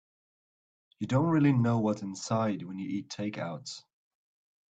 You don't really know what's inside when you eat takeouts.